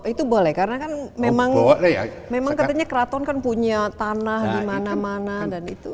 itu boleh karena kan memang katanya keraton kan punya tanah di mana mana dan itu